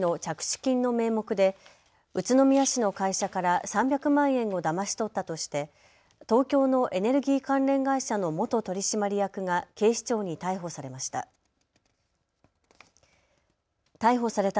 金の名目で宇都宮市の会社から３００万円をだまし取ったとして東京のエネルギー関連会社の元取締役が警視庁に逮捕されました。